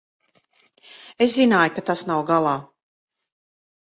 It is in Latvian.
Es zināju, ka tas nav galā.